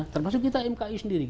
termasuk kita mki sendiri